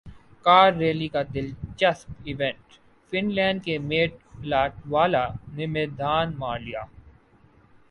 کارریلی کا دلچسپ event fun land کے میٹ لاٹوالہ نے میدان مار لیا